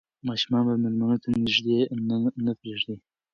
ماشومان به مېلمنو ته نه پرېږدي.